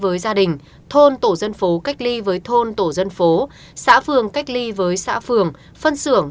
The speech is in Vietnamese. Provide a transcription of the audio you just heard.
với gia đình thôn tổ dân phố cách ly với thôn tổ dân phố xã phường cách ly với xã phường phân xưởng